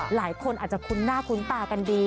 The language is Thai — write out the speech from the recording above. หลายคนอาจจะคุ้นหน้าคุ้นตากันดี